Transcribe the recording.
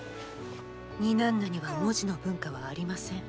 ニナンナには文字の文化はありません。